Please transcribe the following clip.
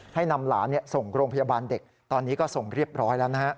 ให้นำหลานส่งโรงพยาบาลเด็กตอนนี้ก็ส่งเรียบร้อยแล้วนะฮะ